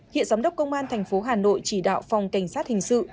hiện giám đốc công an thành phố hà nội chỉ đạo phòng cảnh sát hình sự